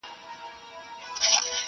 چي هر څو به ښکاري زرک وکړې ککړي.